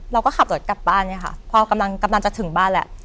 เราก็ขับรถกลับบ้านเนี่ยค่ะพอกำลังจะถึงบ้านแล้ว